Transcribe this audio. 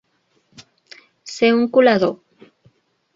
Ser un colador.